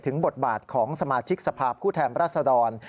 ถึงบทบาทของสมาชิกสภาพภูเทมราษฎร